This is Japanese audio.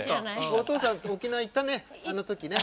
お父さん沖縄に行ったね、あのときね。